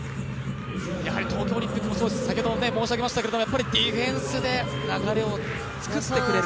やはり東京オリンピックもそうです、先ほども申し上げましたけど、やっぱりディフェンスで流れを作ってくれる。